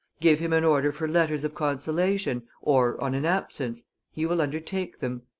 Give him an order for letters of consolation, or on an absence; he will undertake them.